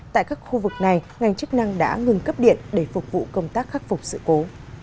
tại các khu vực này ngành chức năng đã ngừng cấp điện để phục vụ công tác khắc phục sự cố